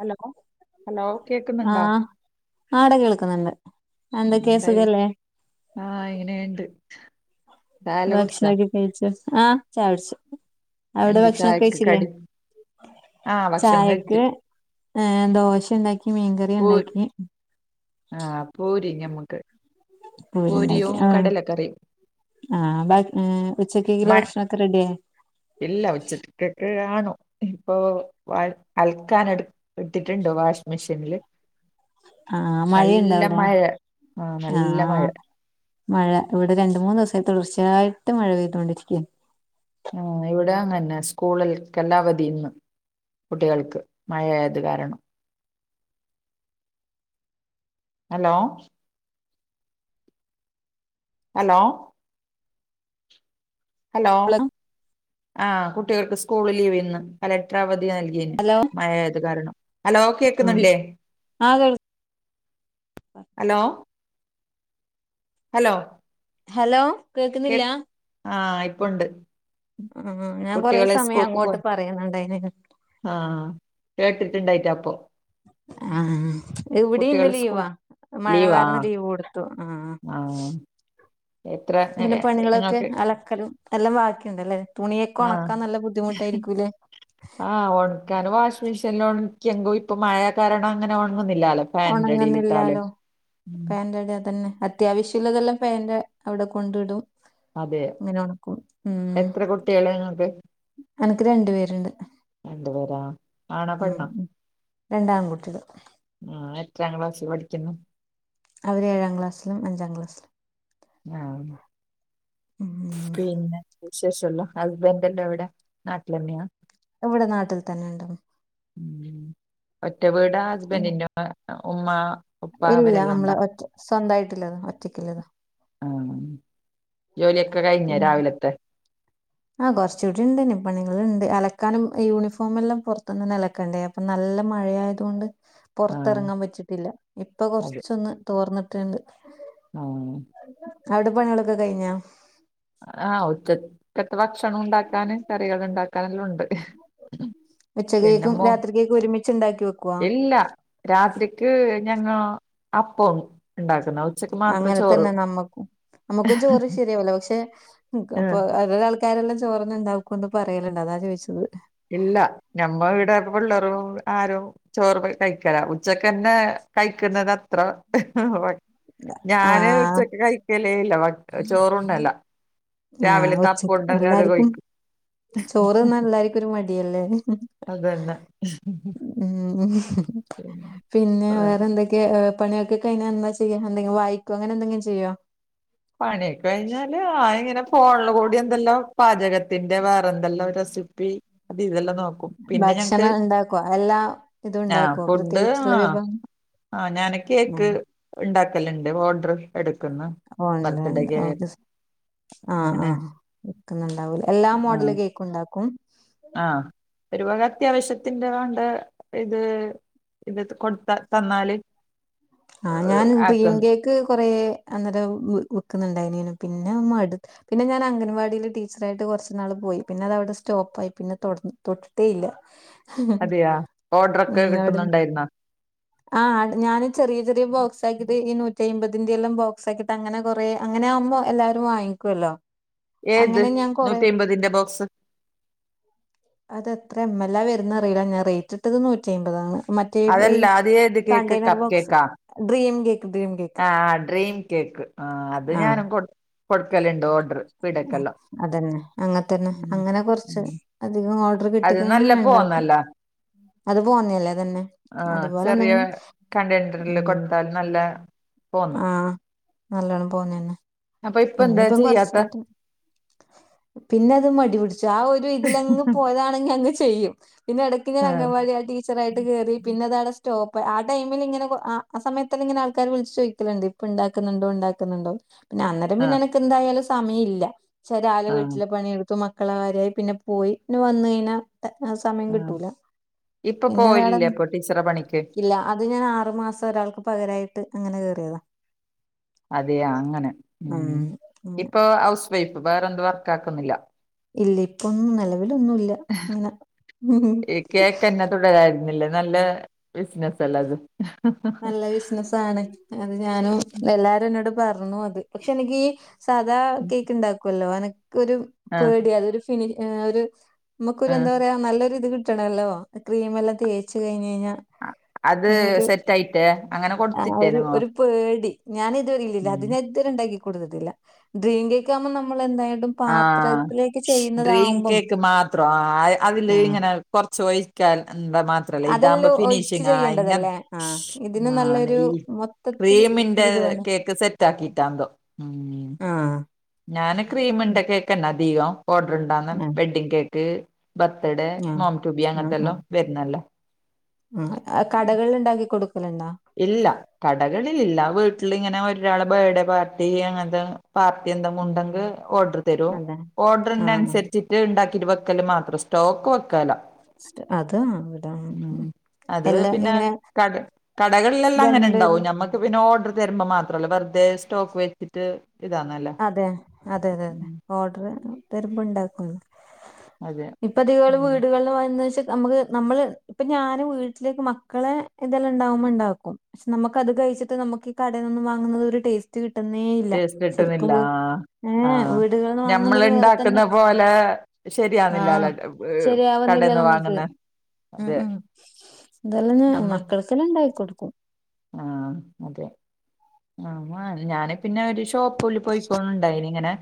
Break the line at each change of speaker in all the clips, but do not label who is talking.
Hello hello കേക്കുന്നുണ്ടോ
ആട കേൾക്കുന്നുണ്ട് എന്തൊക്കെ സുഖല്ലേ
ആഹ് ഇങ്ങനെണ്ട്
ഭക്ഷണൊക്കെ കഴിച്ചു ആഹ് ചായകുടിച്ചു അവിടെ
എന്ത്
ഭക്ഷണൊക്കെ
ചായക്ക്
കഴിച്ചില്ലേ
കടി ആ ഭക്ഷണം കഴിച്ച്
ചായക്ക് ഏഹ് ദോശ ഉണ്ടാക്കി മീൻകറി ഉണ്ടാക്കി
ആഹ് പൂരി ഞമ്മക്ക്
പൂര് ഉണ്ടാക്കി
പൂരിയും
ആഹ്
കടലക്കറിയും
ആഹ് ബാ ഏഹ് ഉച്ചക്കക്കിള്ള
മഴ
ഭക്ഷണം ഒക്കെ റെഡിയായൊ
ഇല്ല ഉച്ചത്തേക്കക്ക് ആഹ് നോ ഇപ്പൊ വ അൽക്കാന് എടു ഇട്ടിട്ടുണ്ട് വാഷിംഗ് മെഷീനില്
ആഹ് മഴയുണ്ടോ അവിടെ
മഴ ആ നല്ല മഴ
ആഹ് മഴ ഇവിടെ രണ്ട് മൂന്ന് ദിവസായി തുടർച്ചയായിട്ട് മഴ പെയ്തോണ്ടിരിക്കയാണ്
ആഹ് ഇവിടെ അങ്ങനെന്നെ സ്കൂളുകൾ കെല്ലാ അവധി ഇന്ന് കുട്ടികൾക്ക് മഴയായത് കാരണം ഹലോ ഹലോ ഹലോ ആഹ് കുട്ടികൾക്ക് സ്കൂൾ ലീവ് ഇന്ന് കലക്ടർ അവധി നൽകീന്
ഹലോ
മഴ ആയത് കാരണം ഹലോ
ആഹ്
കേക്കുന്നുല്ലേ
ആഹ് കേൾ
ഹലോ ഹലോ
ഹലോ
കേ
കേക്കുന്നില്ല
ആഹ് ഇപ്പൊണ്ട്
ആഹ് ഞാൻ കൊറെ
കുട്ടികളെ
സമയം
സ്കൂൾക്ക് പോയി
അങ്ങോട്ട് പറയുന്നുണ്ടായിന്
ആഹ് കേട്ടിട്ടുണ്ടായിട്ടാ അപ്പൊ
ആഹ് ഇവിടെ ഇന്ന്
കുട്ടികള് സ്കൂൾ
ലീവാ മഴ
ലീവാ
കാരണം ലീവ് കൊടു ത്തു ആഹ്
ആഹ് [unintelligible]
പിന്നെ
എ-
പണികളൊക്കെ
നിങ്ങൾക്ക്
അലക്കലും എല്ലാം ബാക്കിയുണ്ടല്ലേ തുണിയൊക്കെ ഒണക്കാൻ നല്ല ബുദ്ധിമുട്ടായിരിക്കൂല്ലേ
ആഹ് ആഹ് ഒണ് കാരണം വാഷിംഗ് മെഷീനിൽ ഒണക്കിയെങ്കും ഇപ്പ മഴ കാരണം അങ്ങനെ ഒണങ്ങുന്നില്ലാല്ലോ
ഒണങ്ങുന്നില്ലാലോ [unintelligible] അത് അത്യാവശ്യള്ളതെല്ലാം ഫാനിന്റെ അവിടെ കൊണ്ടു ഇടും
അതെ
അങ്ങനെ ഒണക്കും ഉം
എത്ര കുട്ടികള് നിങ്ങക്ക്
എനക്ക് രണ്ടു പേരുണ്ട്
രണ്ടു പേരാ ആണാ പെണ്ണോ?
രണ്ടാൺ കുട്ടികള്
ആഹ് എത്രാം ക്ലാസ്സിൽ പഠിക്കുന്നു
അവര് ഏഴാംക്ലാസ്സിലും അഞ്ചാം ക്ലാസിലും
ആഹ്
ഉം
പിന്നെ വിശേഷല്ലോ ഹസ്ബൻഡന്റെ എവിടെ നാട്ടിലെന്നയാ
ഇവിടെ നാട്ടിൽ തന്നെ ഇണ്ട്
ഉം ഒറ്റ വീടാ
പിന്നെ
ഹസ്ബന്റിന്റെ [unintelligible] ഉമ്മ ഉപ്പ
ഇല്ല
അവരെല്ലാം
അമ്മളെ
ഉണ്ടാ
ഒറ്റ സ്വന്തായിട്ട്ള്ളതാ ഒറ്റക്കില്ലതാ
ആഹ് ജോലിയൊക്കെ കഴിഞ്ഞാ
പിന്നെ
രാവിലത്തെ
ആഹ് കൊറച്ചു കൂടി ഇണ്ട് ഇനി പണികൾ ഇണ്ട് അലക്കാനും യൂണിഫോം എല്ലാം പൊറത്തുനിന്ന്തന്നെ അലക്കണ്ടേ ഇപ്പം നല്ല മഴയായതുകൊണ്ട്
ആഹ്
പൊറത്തെറങ്ങാൻ പറ്റീട്ടില്ല ഇപ്പൊ കൊറച്ചൊന്ന് തോർന്നിട്ട്ണ്ട്
ആണ്
അവിടെ പണികളൊക്കെ കഴിഞ്ഞാ
ആഹ് ഉച്ചത്തെ ഭക്ഷണം ഉണ്ടാക്കാനും കറികൾ ഉണ്ടാക്കാനെല്ലാം ഉണ്ട് പിന്നെ
ഉച്ചക്കേക്കും
മോ
രാത്രിക്കേക്കും ഒരുമിച്ച് ഇണ്ടാക്കി വെക്കുവാ
ഇല്ല രാത്രിക്ക് ഞങ്ങ അപ്പം ഇണ്ടാക്കുന്നാ ഉച്ചക്ക് മാത്രം
അങ്ങനെ തന്നെ
ചോറ്
നമ്മുക്കും നമ്മുക്കും ചോറ് ശരിയാവില്ല പക്ഷെ [unintelligible] അപ്പൊ ഓരോരോ ആൾക്കാരെല്ലാം ചോറെന്ന ഇണ്ടാക്കൂന്ന് പറയലണ്ട് അതാ ചോദിച്ചത്
ഇല്ല ഞമ്മ ഇവിടെ പിള്ളറും ആരും ചോറ് കഴിക്കലാ ഉച്ചക്കന്നെ കഴിക്കുന്നത് അത്ര [unintelligible] ഞാന്
ആഹ്
ഉച്ചക്ക് കഴിക്കലേ ഇല്ല [unintelligible] ചോറുണ്ണല്ലാ
ആഹ് ഉച്ചക്ക് എല്ലാരിക്കും
കഴിക്കും
ചോറ് തിന്നാൻ എല്ലാരിക്കൊരു മടിയല്ലേ
അതന്നെ
ഉം ഉം പിന്നെ വേറെന്തൊക്ക് കേഹ് പണിയൊക്കെ കഴിഞ്ഞന്ത ചെയ്യാ എന്തെങ്കും വായിക്കോ അങ്ങനെ എന്തെങ്കി ചെയ്യോ
പണിയ കഴിഞ്ഞാല് ആ ഇങ്ങനെ ഫോണിൽ കൂടി എന്തെല്ലാം പാചക ത്തിന്റെ വേറെ എന്തെല്ലാം റെസിപ്പി അത് ഇതെല്ലാം നോക്കും പിന്നെ ഞങ്ങക്ക്
ഭക്ഷണം ഉണ്ടാക്കൊ എല്ലാ ഇതുണ്ടാക്കോ പ്രത്യേകിച്ചുള്ള വിഭവം
ആഹ് ഞാന്
ഉം
കേക്ക് ണ്ടാക്കല്ണ്ട് ഓഡർ എടുക്കുന്നു
ഓഹ് ഉണ്ട് ഉണ്ട്
ബർത്ത്ഡേക്ക്
ഓക്കെ ഷെ ആഹ്
ഇങ്ങനെ
ആഹ് ക്ക്ന്ന്ണ്ടാവൂല എല്ലാ
ആ
മോഡല് കേക്കും ഇണ്ടാക്കും?
ആഹ് ഒരുപക അത്യാവശ്യത്തിന്റെ വേണ്ട ഇത് ഇത് കൊട്ത്ത തന്നാല്
ആഹ്
ഏഹ്
ഞാൻ ഡ്രീം
ആക്കുന്നു
കേക്ക് കൊറെ അന്നേരം വിക്കുന്നുണ്ടായിനി പിന്നെ മട് പിന്നെ ഞാൻ അംഗൻവാടിൽ ടീച്ചറയിട്ട് കുറച്ച് നാൾ പോയി പിന്നെ അത് അവിടെ സ്റ്റോപ്പ് ആയി പിന്നെ തൊട് തൊട്ടിട്ടേ ഇല്ല [inaudible]
അതെയ ഓർഡറൊക്കെ
ഉം അവിടെ
കിട്ടുന്നുണ്ടായിരുന്നോ
ആഹ് ഞാന് ചെറിയ ചെറിയ ബോക്സാക്കിട്ട് ഈ നൂ ചെയ്മ്പതിന്റെയെല്ലാം ബോക്സക്കിയിട്ട് അങ്ങനെ കൊറേ അങ്ങനെ ആകുമോ എല്ലാരും വാങ്ങിക്കൊല്ലോ
ഏത് നൂറ്റിമ്പതിന്റെ ബോക്സ്
അതെത്ര എം എല്ലാ വരുന്നെ അറീല്ല ഞാൻ റേറ്റ് ഇട്ടത് നൂറ്റി അയ്മ്പതാണ്. മറ്റേ ഈ
അതല്ല അത് ഏത് കേക്ക്
കണ്ടെയ്നർ
കപ്പ്
ബോക്സ്
കേക്കാ
ഡ്രീം കേക്ക് ഡ്രീം കേക്ക്
ആഹ് ഡ്രീം കേക്ക് ആ അത്
ആഹ്
ഞാനും കൊട്
അതന്നെ അങ്ങൻത്തന്നെ
ഉം
അങ്ങനെ കൊർച്ച്
ഉം
അധികം ഓഡർ
അത്
കിട്ടിക്കഴിഞ്ഞാ
നല്ല
ഞന്ണ്ടാക്കും
പോന്നല്ല
അത് പോന്നല്ലേ അതന്നെ.
ആഹ് ചെറിയ കണ്ടെയനറിൽ
ഉം
കൊടുത്താൽ നല്ല തോന്നും
ആഹ് നല്ലോണം പോന്നന്നെ
അപ്പൊ ഇപ്പൊ എന്താ
പിന്നിപ്പം
ചെയ്യാത്ത
കൊർച്ചായിട്ട് പിന്നെ അത് മടി പിടിച്ചു ആ ഒരു ഇതിലങ്ങ് പോയതാണെങ്കി അങ്ങ് ചെയ്യും പിന്നെ ഇടക്കിങ്ങനെ
ആഹ്
അംഗനവാടിയി ടീ ച്ചറായിട്ട് കയറി പിന്നെ അതാടെ സ്റ്റോപ്പ് ആ ടൈമില് ഇങ്ങനെ ആ സമയത്തല്ല ഇങ്ങനെ ആൾക്കാര് വിളിച്ചു ചോയ്ക്കല്ണ്ട് ഇപ്പ ഇണ്ടാക്ക്ന്ന്ണ്ടോ ഇണ്ടാക്ക്ന്ന്ണ്ടോ പിന്നെ അന്നേ പിന്നെ
ആഹ്
എനക്ക് എന്തായാലും സമഴില്ല ച്ചാ രാവിലെ
ആഹ്
വീട്ട്ല പണിയെടുക്കും മക്കളകാര്യായി പിന്നെ പോയി പിന്നെ വന്ന് കഴിഞ്ഞാ സമയം
ആഹ്
കിട്ടൂല
ഇപ്പൊ
പിന്നെതട
പോയില്ലേ ഇപ്പൊ ടീച്ചറെ പണിക്ക്
ഇല്ല അത് ഞാൻ ആറു മാസം തൊരാൾക്ക് പകരായിട്ട് അങ്ങനെ കേയറിയതാ
അതെ അങ്ങനെ ഉം
ഉം.
ഇപ്പൊ ഹൗസ് വൈഫ് വേറെന്ത് വർക്ക് ആക്കുന്നില്ല.
ഇല്ല്യ ഇപ്പൊന്നും നിലവിലൊന്നുംല്ല ഇങ്ങനെ.
ഈ കേക്കന്നെ തുടരായിരുന്നില്ലേ നല്ല ബിസിനസല്ല അത്
നല്ല ബിസ്നസാണ് അത് ഞാനും എല്ലാരും എന്നോട് പർണു അത് പക്ഷെ എനിക്കീ സാധാ കേക്ക് ണ്ടാക്കോല്ലോ അനക്ക് ഒരു
ആഹ്
പേടി അതരു ഫിനി ഒരു നമുക്കൊരു
ആഹ്
എന്താ പറയാ നല്ലൊരി ഇത് കിട്ടണമല്ലോ ക്രീം എല്ലാം തേച്ച് കഴിഞഴിഞ്ഞാ
അത് സെറ്റ് ആയിട്ടേ അങ്ങനെ
ആഹ് ഒരു
കൊട്ത്തിട്ടേനോ
ഒരു പേടി ഞാന് ഇത് വരിലില്ല അത് ഞാൻ ഇണ്ടാക്കി കോടുത്തിട്ടില്ല ഡ്രീം കേക്കാവുമ്പ നമ്മള് എന്തായടും
ആഹ് ഡ്രീം കേക്ക് മാത്രോ ആ അതില്
ആഹ്
ഇങ്ങനെ കൊർച്ച് ഒഴി ക്ക്യാൽ എന്ത മാ ത്രല്ലേ ഇതാവുമ്പ
അതെല്ലാം ഒഴിച്ച്
ഫിനിഷിങ ആ ഇങ്ങൻ
ചെയ്യേണ്ടതല്ലേ ആഹ് ഇതിന്
ആ
നല്ലൊരു
നെയ്
മൊത്തത്തിൽ
ക്രീമിന്റെ
ഒരിത് വേണം.
കേക്ക് സെറ്റ് ആക്കിട്ടാണ്ടോ ഉം
ആഹ്
ഞാന് ക്രീമിന്റെ കേക്ക്ന്നെ അധികം ഓഡ്രടാന്ന
ആഹ്
വെഡ്ഡിങ് കേക്ക്. ബെർത്തഡേ
ആഹ്
മോംറ്റുബി അങ്ങൻത്തെല്ലോംവര്ന്നല്ലോ
അഹ് കടകളിൽ ണ്ടാക്കി കൊടുക്കല്ണ്ടോ
ഇല്ല കടകളിലില്ല വീട്ടില് ഇങ്ങനെ ഒരാള് ബേഡേ പാർട്ടി അങ്ങൻത്തെ പാർട്ടി എന്തെങ്കു
ഉം
ഉണ്ടെങ്കി ഓഡർ തരൂ
അതെ ആഹ്
ഓഡർനൻസര്ച്ച് ഇ ഇണ്ടാക്കീട്ട് വെക്കല് മാത്രം സ്റ്റോക്ക് വെക്കാലോ
സ്റ്റ് അത് ആവിടെ എല്ലാ ഇങ്ങനെ
കടകളെല്ലാംങ്ങെ
രണ്ട്
ഇണ്ടാവും നമ്മക്ക് പിന്നെ ഓർഡർ തരുമ്പോ മാത്രമല്ലേ വെറുതെ സ്റ്റോക്ക് വെച്ചിട്ട് ഇതാന്നല്ലോ
അതെ അതെ അതെ അതെ ഓർഡർ തരുമ്പോ ഇണ്ടാക്കുന്നു
അതെ
ഇപ്പതികൾ
ഉം
വീടുകളിൽ വെച്ചാ നമുക്ക് നമ്മള് ഇപ്പൊ ഞൻ വീട്ടിലേക്ക് മക്കളെ എന്തെല്ലാം ഇണ്ടാവുമ്പോ ഇണ്ടാക്കും ക്ഷെ നമുക്ക്ത് കഴിച്ചിട്ട് നമുക്ക് ഈ കടയിൽന്നും വാങ്ങുന്നത് ഒരു ടേസ്റ്റ് കിട്ടുന്നേ ഇല്ല
ക്കിട്ടുന്നില്ല
ശരിക്കും ഏഹ്
ആഹ
വീടുകളിന്ന്
ഞമ്മൾ
വാങ്ങുന്നത് വേറെ തന്നെ
ഇണ്ടാക്കുന്ന പോലെ ശരിയാന്നില്ലല്ല
ആഹ്
ഹെ
ശരിയാവുന്നില്ല
കടന്ന്
നമുക്ക്
വാങ്ങുന്ന
ഉം
അതെ
ഉം ഇതെല്ലാം ഞാ മക്കൾക്കെല്ലാം ഇണ്ടായി കൊടുക്കും
ആഹ അതെ ആ ഞാനെ പിന്നെ ഒരു ഷോപ്പല് പോയിക്കൊണ്ടായിനി ഇങ്ങനെ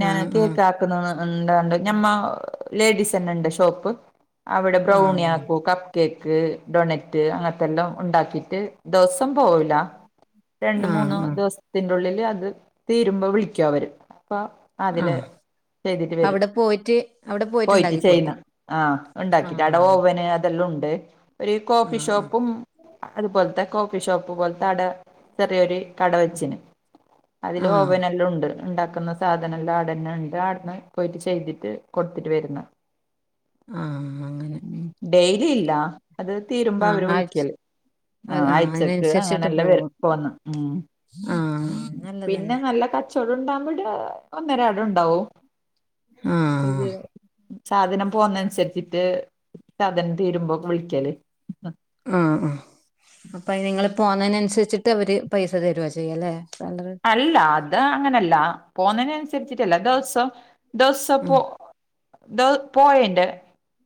ഞൻ
ആഹ്
കേ
ആഹ്
ക്ക [unintelligible] നല്ല ണ്ട്‌ ഞമ്മ ലേഡീസ് തന്നെ ഇണ്ട് ഷോപ്പ് അവിടെ ബ്രൗണി
ആഹ്
ആക്കൂ കപ്പ് കേക്ക് ഡൊണറ്റ് അങ്ങനത്തെ എല്ലാം ഉണ്ടാക്കി റ്റ് ദെവസം പോവുല രണ്ട്‌
ആഹ്
മൂന്നു
ആഹ്
ദിവസ ത്തിന്റെ ഉള്ളില് അത് തീരുമ്പോ വിളിക്ക വരും അപ്പൊ അതില്
ആഹ്
ചെയ്തിട്ട് വരും
അവിടെ പോയിട്ട് അവിടെ
പോയിട്ട്
പോയിട്ടുണ്ടാക്കി
ചെയ്യുന്ന
കൊടുക്കും
ആഹ് ഉണ്ടാക്കിട്ട് അടെ
ആഹ്
ഓവന് ഇതല്ലാം ഉണ്ട് ഒരു കോഫി
ആഹ്
ഷോപ്പും അതുപോലത്തെ കോഫി ഷോപ്പ് പോലത്തെ അട ചെറിയൊരു കടവച്ചിന് അതില്
ആഹ് ആഹ്
ഓവനെല്ലാം ഉണ്ട് ഇണ്ടാക്കുന്ന സ് സാധനം എല്ലാം ആടെന്നെ ഇണ്ട് അടന്ന പോയിട്ട് ചെയ്തിട്ട് കൊടുത്തിട്ട് വരുന്ന
ആഹാ അങ്ങനെ
ഡെയിലി ഇല്ല അത് തീരുമ്പോ അവര്
ആഹ് ആഴ്ച
വിളിക്കല് ആ
ആഹ്
ആഴച്ചക്ക് അങ്ങനെ
അതിനനുസരിച്ചിട്ട്
എല്ലാം വരും
പോകും
ഇപ്പ വന്നു ഉം
ആഹ്
ഉം പിന്നെ
നല്ലതന്നെ
നല്ല ക ച്ചോടു ഉണ്ടാവക്പോടെ ഒന്നരട ഉണ്ടാവും പി
ആഹ്
സാധനം പോകുന്നനുസരിച്ചിട്ട് സാധനം തീരുമ്പോ വിളിക്കല്
ആഹ ആഹ അപ്പൊ അയിന് നിങ്ങള് പോന്നതിനനുസരിച്ചിട്ട് അവര് പൈസ തരു ചെയ്യാം ല്ലെ സാല
അല്ല അത് അങ്ങനല്ല പോുന്നതിന അനുസരിച്ചിട്ടല്ല ദിവസം
ഉം
ദിവസപ്പൊ ദോ പോയന്റെ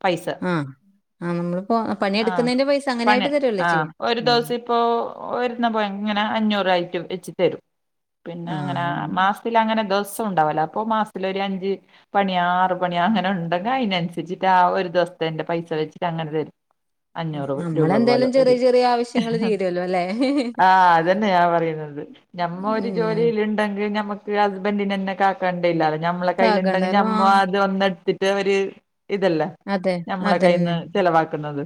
പൈസ
ആഹ് ആഹ് നമ്മളിപ്പോ
ആഹ
പണിയെടുക്കുന്നതിന്റെ പൈസ
പണ
അങ്ങനെയായിട്ട് തരുവല്ലേ
ആഹ
ചെയ്യാ
ഒരു
ഉം
ദിവസംപ്പ ഇപ്പോ ഒരന്ന പോയാ ഇങ്ങനെ അഞ്ഞൂറായിയിട്ട് വെച്ചി തരും പിന്നെ അങ്ങനെ
ആഹ്
മാസത്തിൽ അങ്ങനെ ദിവസം ഉണ്ടാവലോ അപ്പൊ മാസത്തിലൊ ഒരു അഞ്ച് പണിയാ ആറ് പണിയാ അങ്ങനെ ഉണ്ടെങ്കി അതിനനുസരിച്ചിട്ട് ആ ഒരു ദിവസത്തെന്റെ പൈസ വെച്ചിട്ട് അങ്ങനെ തരും [inaudible] അഞ്ഞൂറ് രൂപ പോലെ
നമ്മളെന്തേലും ചെറിയ
വരും
ചെറിയ ആവശ്യങ്ങള് തീരുവല്ലോ അല്ലെ
ആഹ അതന്നെ ഞാൻ പറയുന്നത് ഞമ്മൊ ഒരു
ഉം
ജോലിൽ ഉണ്ടെങ്കിൽ ഞമ്മക്ക് ഹസ്ബൻറിെന്നെ കാക്കണ്ടല്ല ഞമ്മള കയ്യിലുണ്ടെങ്കിൽ
കാക്കണ്ടല്ലോ ആ
നമ്മ ഇത് ഒന്നെടുത്തിട്ട് ഒര് ഇതല്ല
അതെ
നഞമ്മളെ കയ്യിൽന്ന് ചെലവാക്കുന്നത്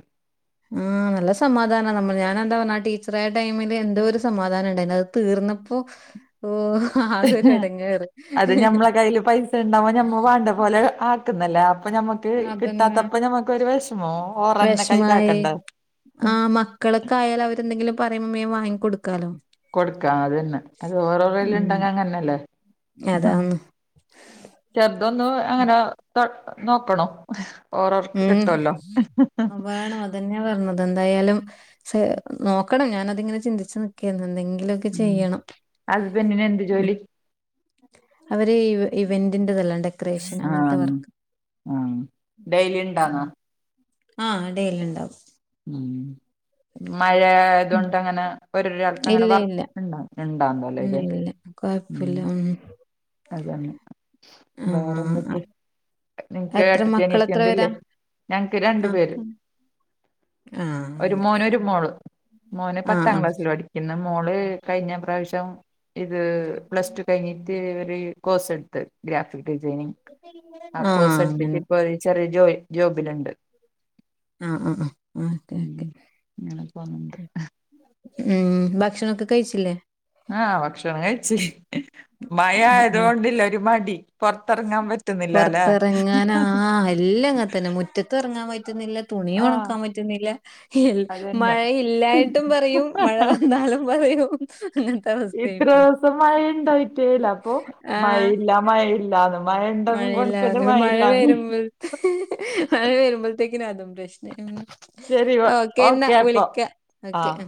ആഹ നല്ല സമാധാനമാണ് നമ്മൾ ഞാന എന്താ പറഞ്ഞ ആ ടീച്ചറ ആയ ടൈമില് എന്തോ ഒരു സമാധാനം ഇണ്ടായിന്നു അത് തീർന്നപ്പോ
[inaudible]
ഓ ഹ
അത് ഞമ്മളെ കയ്ൽ പൈസ ഉണ്ടാവൻ ഞമ്മ വാണ്ട പോലെ അക്ക് ന്നല്ലേ അപ്പൊ മ്മക്ക്
അതന്നെ
കിട്ടാത്തപ്പ ഞമ്മക്ക് ഒരു വിഷമോവും ഓറെന്നെ കൈ കാക്കേണ്ട
ആഹ മക്കളൊക്കെ ആയാലൽ അവരെന്തെങ്കിലും പറയുമ്പോ മേൻ വാങ്ങികൊടുക്കാലോ
കൊടുക്കാം അതനെ അത് ഓരോരുല്
ഉം
ഇണ്ടെങ്കല് അങ്ങന്നെല്ലേ ന്ഹ
അതാന്ന്
ചെറുതൊന്ന് അങ്ങനെ തെ നോക്കണോ ഓറോർക്ക് കിട്ടോല്ലോ ഹ് ഹ്
അതന്നെ പറഞ്ഞത് ന്തായാലും ചെ നോക്കണം ഞാനതിങ്ങനെ ചിന്തിച്ചു നിക്കെന്നു എന്ധെങ്കിലൊക്കെ
ഉം ഹസ്ബെന്റിന്നെന്ത് ജോലി?
അവര് ഇവ ഇവന്റിന്റെതല്ലാണ്ടേ
ആഹ് ആഹ് ഡെലിണ്ടന്നോ
ആഹ് ഡെയ്‌ലിണ്ടാവും
ഉം
ഇല്ല
മഴായതൊണ്ടങ്ങനെ ഒരരാൾക്ക് അങ്ങനെ
ഇല്ല ഇല്ല
വർക്ക്ണ്ടാവും ഇണ്ടാന്നല്ലേത്
കൊയപ്പില്ല ഉം
അതന്നെ
ആ
വേറൊന്തൊക്കെ
എത്ര
നിനക്കേട്ടത്തി
മക്കൾ എത്ര
അനിയത്തിണ്ട്ല്ലേ
പേരാ
ഞങ്ങ്ക്ക് രണ്ട്
ആ
പേര്
ആ
ഒരു
രണ്ട്
മോന്
പേര്
ഒരു മോള് മോന്
ആ
പത്താം
ആ
ക്ലാസ്സില് പടി ക്കുന്ന് മോള് കയിഞ്ഞ പ്രാവശ്യം ഇത് പ്ലസ് ടു കയിഞ്ഞിട്ട് ഇവ കോസ് എടുത്ത് ഗ്രാഫിക് ഡിസൈനിങ് ആഹ്
ആ അങ്ങനെ
കോസെടുത്തിട്ട്പ്പഴ് ചെറിയ ജോയ് ജോബില്ണ്ട്
ഉം ഉം ഉം ഓക്കെ ക്കെ
അങ്ങനെ പോന്നുണ്ട്
ഉം ഭക്ഷണൊക്കെ കഴിച്ചില്ലേ
ആഹ് ഭക്ഷണം കയ്ച്ച് മയ
ഉം ഉം
ആയതൊണ്ടില്ല ഒരു മടി പൊറത്തെറങ്ങാൻ പറ്റുന്നില്ലലേ
എല്ലങ്ങെൻ തന്നെ മുറ്റത്ത് എറങ്ങാൻ പറ്റുന്നില്ല
ആഹ്
തുണിയൊണക്കാൻ പറ്റുന്നില്ല ഇൽ
അതന്നെ
മഴയില്ലായിട്ടും പറയും മഴ വന്നാലും പറയും അങ്ങൻത്ത വസ്തയിപ്പൊ
മഴണ്ടാറ്റേല അപ്പൊ
ആ
മഴയില്ല മഴയില്ലന്നു മഴണ്ടെന്നും
മഴയില്ലാതെ
കൊണത്തില്
ഇപ്പൊ മഴ
മഴല്ലന്നും
വരുമ്പോ മഴ വരുമ്പോത്തേക്കിന അതും പ്രശ്നയി
ശരി
ആഹ് ഓക്കേ ന്നാ
ഓക്കെ അപ്പൊ
വിളിക്ക ഓക്കേ
ആഹ്